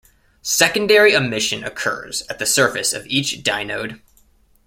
Secondary emission occurs at the surface of each dynode.